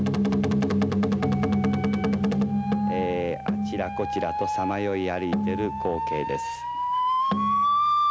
あちらこちらとさまよい歩いてる光景です。